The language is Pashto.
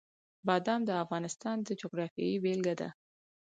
بادام د افغانستان د جغرافیې بېلګه ده.